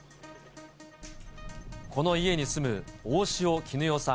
この家に住む大塩衣与さん